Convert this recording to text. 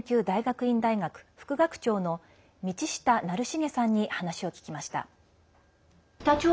大学院大学副学長の道下徳成さんに話を聞きました。